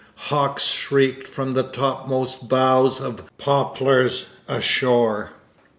Hawks shrieked from the topmost boughs of black poplars ashore.